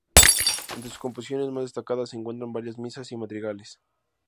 Entre sus composiciones más destacadas se encuentran varias misas y madrigales.